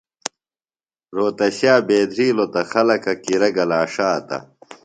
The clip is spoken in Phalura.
رھوتشیہ بیدھرِلوۡ تہ خلکہ کِرہ گلا ݜاتہ۔